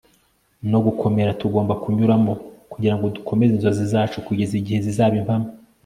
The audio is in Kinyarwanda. no gukomera tugomba kunyuramo kugira ngo dukomeze inzozi zacu kugeza igihe zizaba impamo